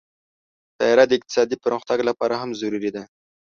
طیاره د اقتصادي پرمختګ لپاره هم ضروري ده.